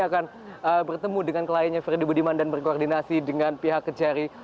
akan bertemu dengan kliennya freddy budiman dan berkoordinasi dengan pihak kejari